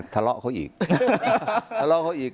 ทะเลาะเขาอีก